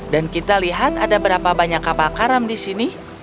dan kita lihat ada berapa banyak kapal karam disini